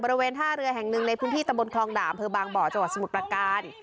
บริเวณท่าเรือแห่งหนึ่งในพื้นที่ตะมนต์คลองดามเพื่อบางเหตุบ่อจสมุทรการ